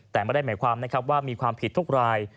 แต่ไม่ได้หมายความนะครับว่ามีความผิดทุกราย